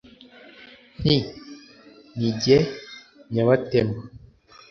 nti : ni jye nyabatema,